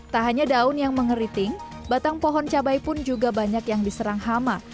tak hanya daun yang mengeriting batang pohon cabai pun juga banyak yang diserang hama